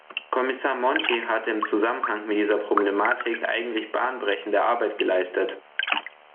Kommissar Monti hat im Zusammenhang mit dieser Problematik eigentlich bahnbrechende Arbeit geleistet.